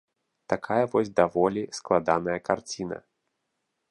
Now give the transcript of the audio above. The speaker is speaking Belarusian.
Такая вось даволі складаная карціна.